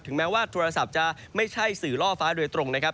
แม้ว่าโทรศัพท์จะไม่ใช่สื่อล่อฟ้าโดยตรงนะครับ